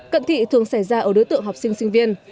cận thị thường xảy ra ở đối tượng học sinh sinh viên